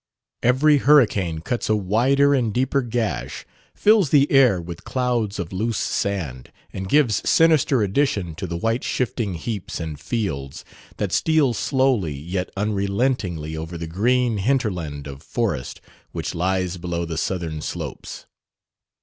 Every hurricane cuts a wider and deeper gash, fills the air with clouds of loose sand, and gives sinister addition to the white shifting heaps and fields that steal slowly yet unrelentingly over the green hinterland of forest which lies below the southern slopes.